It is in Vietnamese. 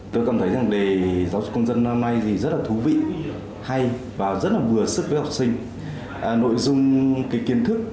tôi cảm thấy rằng đề giáo dục công dân năm nay rất là thú vị hay và rất là vừa sức với học sinh